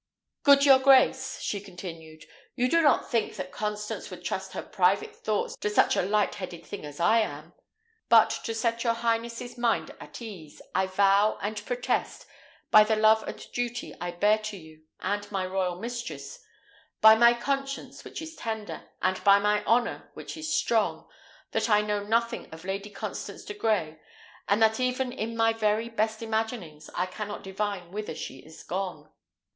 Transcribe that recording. Good, your grace," she continued, "you do not think that Constance would trust her private thoughts to such a light headed thing as I am. But, to set your highness's mind at ease, I vow and protest, by the love and duty I bear to you and my royal mistress; by my conscience, which is tender; and by my honour, which is strong; that I know nothing of Lady Constance de Grey, and that even in my very best imaginings I cannot divine whither she is gone."